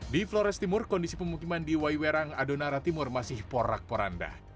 di flores timur kondisi pemukiman di waiwerang adonara timur masih porak poranda